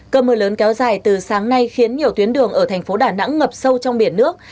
cơ mưa lớn kéo dài từ sáng nay khiến nhiều tuyến đường ở thành phố đà nẵng ngập sâu trong biển nước